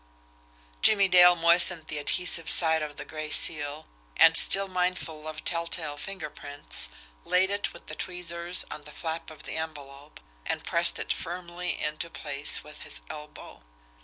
Jimmie Dale moistened the adhesive side of the gray seal, and, still mindful of tell tale finger prints, laid it with the tweezers on the flap of the envelope, and pressed it firmly into place with his elbow.